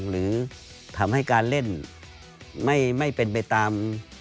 หรือทำให้การเล่นไม่เป็นไปตาม